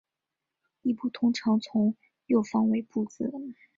殳部通常从右方为部字。